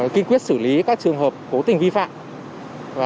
kinh quyết xử lý các trường hợp cố tình vi phạm